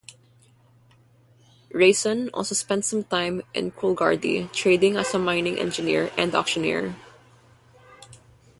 Rason also spent some time in Coolgardie trading as a mining engineer and auctioneer.